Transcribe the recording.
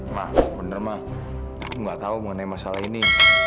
ma benar ma aku gak tahu mengenai masalah ini